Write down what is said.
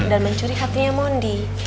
dan mencuri hatinya mondi